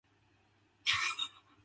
I never retired.